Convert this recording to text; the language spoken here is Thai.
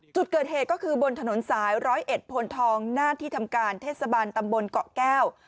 จุดเกิดเหตุก็คือบนถนนสายร้อยเอ็ดพลทองหน้าที่ทำการเทศบาลตำบลเกาะแก้ว